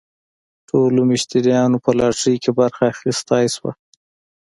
ټولو مشتریانو په لاټرۍ کې برخه اخیستلی شوه.